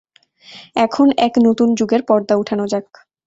এখন, এক নতুন যুগের পর্দা উঠানো যাক।